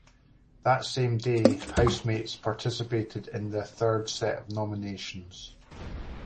That same day, Housemates participated in their third set of nominations.